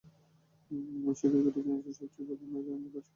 বিশ্ব ক্রিকেটের জন্য যেটি সবচেয়ে ভালো, আমরা তার জন্যই কাজ করব।